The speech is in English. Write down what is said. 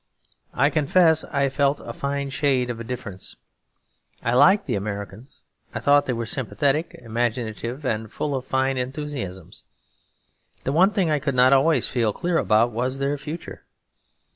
I confess I felt a fine shade of difference; I liked the Americans; I thought they were sympathetic, imaginative, and full of fine enthusiasms; the one thing I could not always feel clear about was their future.